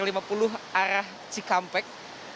di kilometer sepuluh arah cikampek